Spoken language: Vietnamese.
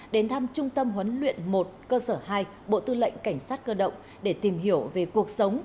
đến thăm trung tâm huấn luyện một cơ sở hai bộ tư lệnh cảnh sát cơ động để tìm hiểu về cuộc sống